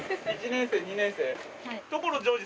１年生２年生。